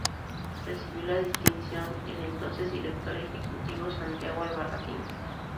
Recibió la distinción el entonces director ejecutivo, Santiago Albarracín.